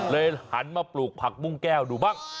หันมาปลูกผักบุ้งแก้วดูบ้าง